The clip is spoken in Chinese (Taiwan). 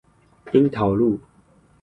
鶯桃路